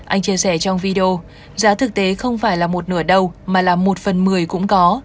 anh chia sẻ trong video giá thực tế không phải là một nửa đầu mà là một phần một mươi cũng có